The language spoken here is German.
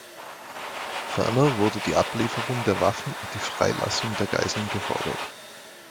Ferner wurde die Ablieferung der Waffen und die Freilassung der Geiseln gefordert.